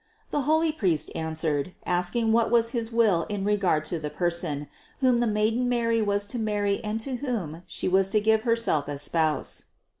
The holy priest answered, asking what was his will in regard to the person, whom the maiden Mary 38 570 CITY OF GOD was to marry and to whom She was to give Herself as Spouse.